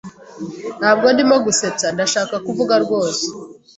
Ntabwo ndimo gusetsa. Ndashaka kuvuga rwose.